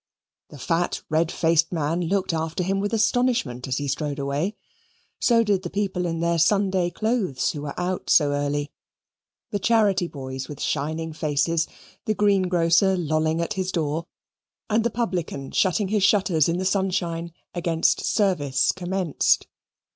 The fat red faced man looked after him with astonishment as he strode away; so did the people in their Sunday clothes who were out so early; the charity boys with shining faces, the greengrocer lolling at his door, and the publican shutting his shutters in the sunshine, against service commenced.